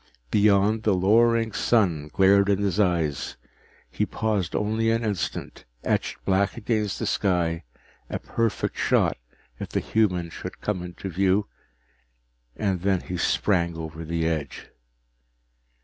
Beyond, the lowering sun glared in his eyes. He paused only an instant, etched black against the sky, a perfect shot if the human should come into view, and then he sprang over the edge.